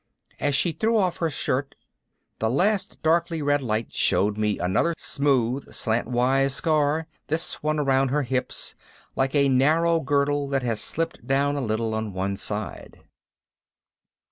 As she threw off her shirt, the last darkly red light showed me another smooth slantwise scar, this one around her hips, like a narrow girdle that has slipped down a little on one side.